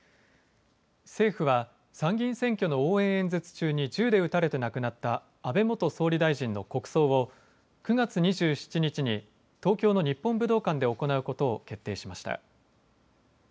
政府は参議院選挙の応援演説中に銃で撃たれて亡くなった安倍元総理大臣の国葬を９月２７日に東京の日本武道館で行うことを決定しました。